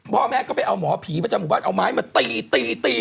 พ่อแม่ก็ไปเอาหมอผีมาจากหมู่บ้านเอาไม้มาตีอย่างนี้